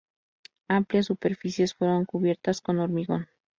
Amplias superficies fueron cubiertas con hormigón.